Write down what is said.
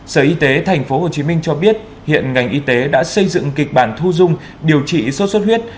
sở y tế tp hcm cho biết hiện ngành y tế đã xây dựng kịch bản thu dung điều trị sốt xuất huyết